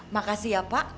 makasih ya pak